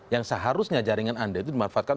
yang seharusnya jaringan anda itu dimanfaatkan